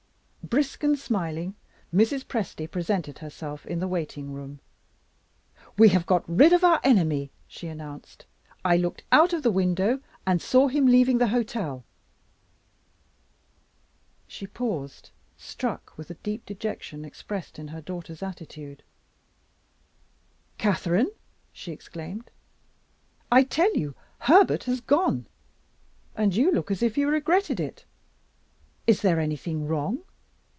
Brisk and smiling, Mrs. Presty presented herself in the waiting room. "We have got rid of our enemy!" she announced, "I looked out of the window and saw him leaving the hotel." She paused, struck with the deep dejection expressed in her daughter's attitude. "Catherine!" she exclaimed, "I tell you Herbert has gone, and you look as if you regretted it! Is there anything wrong?